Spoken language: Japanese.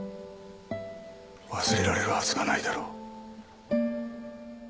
忘れられるはずがないだろ。